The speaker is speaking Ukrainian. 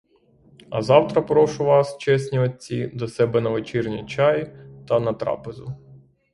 А завтра прошу вас, чесні отці, до себе на вечірній чай та на трапезу.